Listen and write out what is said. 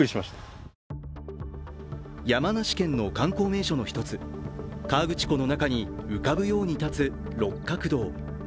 山梨県の観光目所の一つ河口湖の中に浮かぶように建つ六角堂。